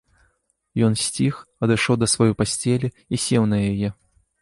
Ён сціх, адышоў да сваёй пасцелі і сеў на яе.